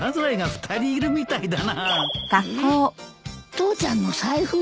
父ちゃんの財布？